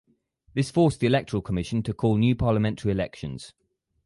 This forced the electoral commission to call new parliamentary elections.